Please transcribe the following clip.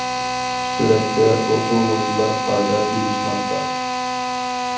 سۈرەتتە: ئوقۇغۇچىلار قاردا ئېلىشماقتا.